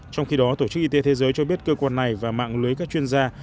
trong khi đó tổ chức y tế thế giới cho biết cơ quan này và mạng lưới các chuyên gia